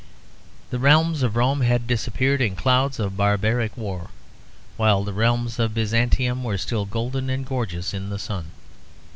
The realms of Rome had disappeared in clouds of barbaric war, while the realms of Byzantium were still golden and gorgeous in the sun.